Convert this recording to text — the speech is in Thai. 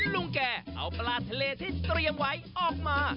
ลุงแกเอาปลาทะเลที่เตรียมไว้ออกมา